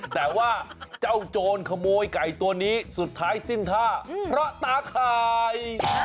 แต่ว่าเจ้าโจรขโมยไก่ตัวนี้สุดท้ายสิ้นท่าเพราะตาข่าย